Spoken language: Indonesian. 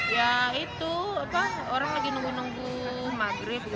ya itu orang lagi nunggu nunggu maghrib